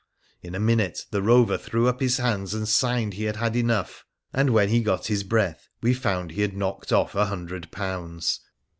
In a minute the rover threw up his hands and signed he had enough, and when he got his breath we found he had knocked off a hundred pounds.